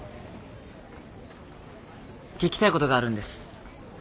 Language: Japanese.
聞きたいことがあるんです。